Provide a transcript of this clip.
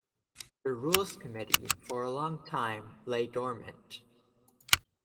The Rules Committee, for a long time, lay dormant.